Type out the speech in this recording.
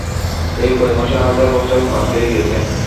এই কয় মাসে হাজার বছর পার হয়ে গেছে।